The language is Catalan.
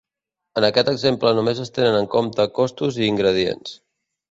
En aquest exemple només es tenen en compte costos i ingredients.